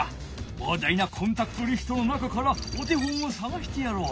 ぼうだいなコンタクトリストの中からお手本をさがしてやろう。